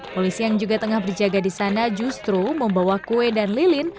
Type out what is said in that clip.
polisi yang juga tengah berjaga di sana justru membawa kue dan lilin